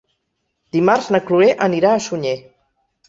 Dimarts na Cloè anirà a Sunyer.